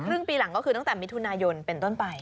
ครึ่งปีหลังก็คือตั้งแต่มิถุนายนเป็นต้นไป